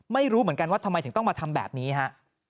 ไม่รู้เหมือนกันว่าทำไมถึงต้องมาทำแบบนี้ฮะ